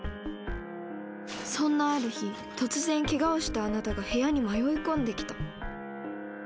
そんなある日突然ケガをしたあなたが部屋に迷い込んできた。